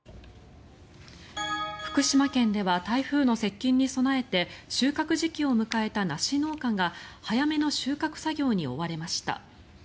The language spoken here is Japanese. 福島県では台風の接近に備えて収穫時期を迎えた梨農家が早めの収穫作業に追われました。